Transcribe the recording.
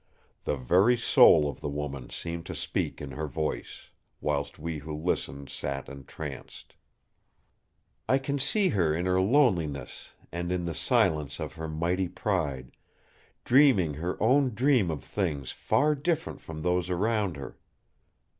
The very soul of the woman seemed to speak in her voice; whilst we who listened sat entranced. "I can see her in her loneliness and in the silence of her mighty pride, dreaming her own dream of things far different from those around her.